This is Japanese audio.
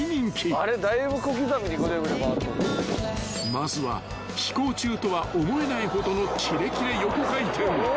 ［まずは飛行中とは思えないほどのキレキレ横回転］